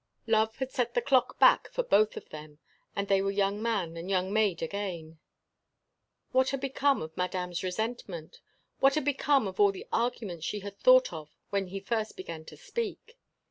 Love had set the clock back for both of them—and they were young man and young maid again. What had become of Madame's resentment? What had become of all the arguments she had thought of when he first began to speak?